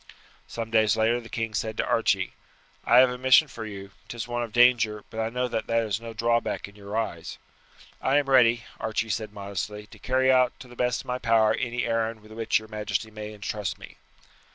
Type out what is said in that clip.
Some days later the king said to Archie, "I have a mission for you; 'tis one of danger, but I know that that is no drawback in your eyes." "I am ready," Archie said modestly, "to carry out to the best of my power any errand with which your majesty may intrust me."